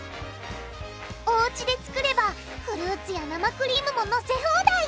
おうちで作ればフルーツや生クリームものせ放題！